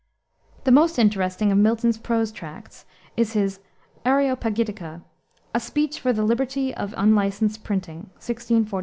The most interesting of Milton's prose tracts is his Areopagitica: A Speech for the Liberty of Unlicensed Printing, 1644.